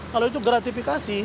kalau itu gratifikasi